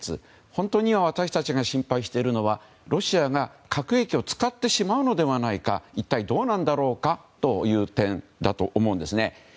本当に今、私たちが心配しているのはロシアが核兵器を使ってしまうのではないか一体どうなんだろうかという点ですね。